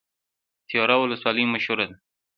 تیوره ولسوالۍ مشهوره ده؟